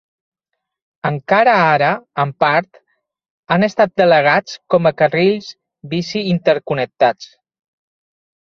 Encara ara, en part, han estat delegats com a carrils bici interconnectats.